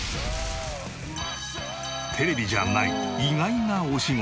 テレビじゃない意外なお仕事。